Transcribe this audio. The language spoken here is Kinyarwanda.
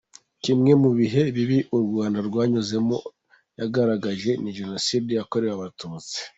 Kimwe mu bihe bibi u Rwanda rwanyuzemo yagaragaje ni Jenoside yakorewe Abatutsi.